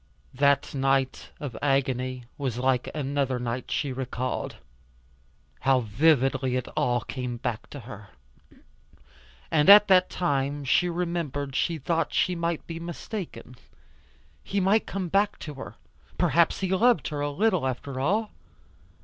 That night of agony was like another night she recalled. How vividly it all came back to her. And at that time she remembered she thought she might be mistaken. He might come back to her. Perhaps he loved her, a little, after all.